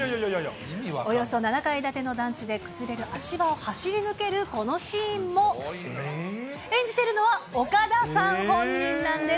およそ７階建ての団地で崩れる足場を走り抜けるこのシーンも、演じているのは岡田さん本人なんです。